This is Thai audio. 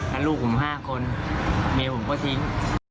แล้วลูกผม๕คนเมียผมก็ทิ้ง